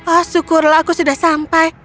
oh syukurlah aku sudah sampai